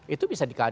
itu bisa dikejar